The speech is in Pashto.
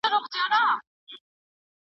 خورما ونې میلیونونو خلکو ته ګټه رسوي.